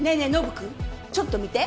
君ちょっと見て。